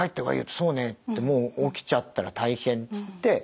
「そうね」ってもう起きちゃったら大変つって。